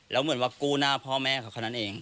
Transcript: แล้วเหมือนว่ากู้หน้าพ่อแม่เขาแค่นั้นเอง